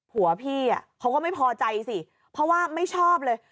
ผัวพี่เขาก็ไม่พอใจสิเพราะว่าไม่ชอบเลย